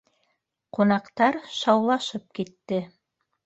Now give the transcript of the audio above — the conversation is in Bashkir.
Ҡунаҡтар шаулашып китте